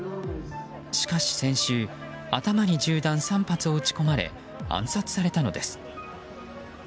しかし先週頭に銃弾３発を撃ち込まれ暗殺されたのです。